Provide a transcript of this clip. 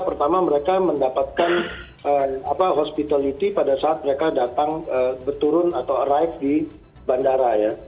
pertama mereka mendapatkan hospitality pada saat mereka datang berturun atau arrive di bandara ya